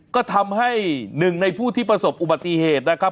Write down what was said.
ก็ทำให้หนึ่งในผู้ที่ประสบอุบัติเหตุนะครับ